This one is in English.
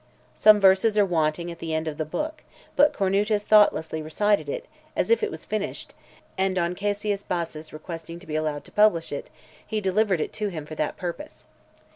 Some verses are wanting at the end of the book , but Cornutus thoughtlessly recited it, as if (540) it was finished; and on Caesius Bassus requesting to be allowed to publish it, he delivered it to him for that purpose.